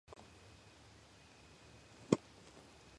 უკვე მოგვიანებით ეს ტერიტორია დიდი ბრიტანეთის შემადგენლობაში შევიდა.